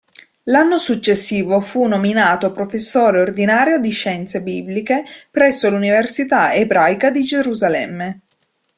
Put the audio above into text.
L'anno successivo fu nominato professore ordinario di Scienze bibliche presso l'università ebraica di Gerusalemme.